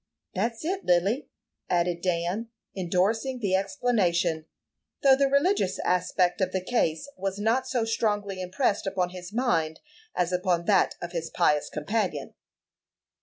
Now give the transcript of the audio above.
"That's it, Lily," added Dan, indorsing the explanation, though the religious aspect of the case was not so strongly impressed upon his mind as upon that of his pious companion.